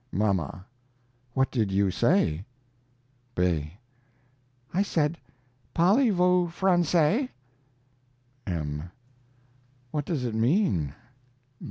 "MAMA What did you say? "B. I said, 'Polly vo fransay.' "M. What does it mean?